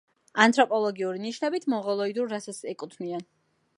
ანთროპოლოგიური ნიშნებით მონღოლოიდურ რასას ეკუთვნიან.